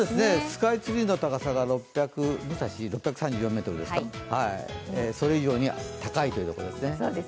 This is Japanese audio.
スカイツリーの高さが６３４ｍですか、それ以上に高いということですね。